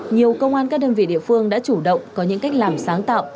nhiều công an các đơn vị địa phương đã chủ động có những cách làm sáng tạo